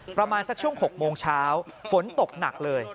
ประมาณสักช่วง๖โมงเช้าฝนตกหนักเลย